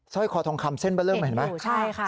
สร้อยคอทองคำเส้นเบอร์เริ่มเห็นไหม